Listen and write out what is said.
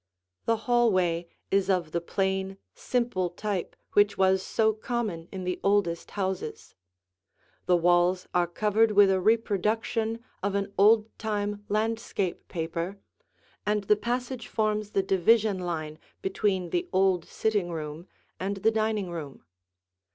The hallway is of the plain, simple type which was so common in the oldest houses. The walls are covered with a reproduction of an old time landscape paper, and the passage forms the division line between the old sitting room and the dining room.